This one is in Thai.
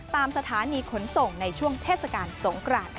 ตามสถานีขนส่งในช่วงเทศกาลสงกราน